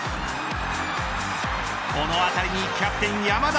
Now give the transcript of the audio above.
この当たりにキャプテン山田。